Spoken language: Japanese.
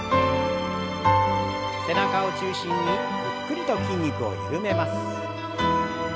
背中を中心にゆっくりと筋肉を緩めます。